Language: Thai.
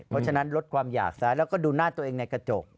เพราะฉะนั้นลดความหยากซ้ายแล้วก็ดูหน้าตัวเองในกระจก